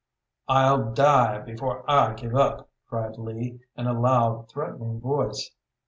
"I'll die before I give up," cried Lee, in a loud, threatening voice.